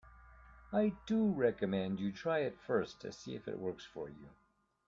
I do recommend you try it first to see if it works for you.